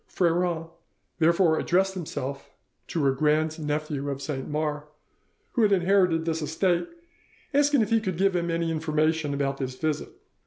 Freron therefore addressed himself to a grand nephew of Saint Mars, who had inherited this estate, asking if he could give him any information about this visit.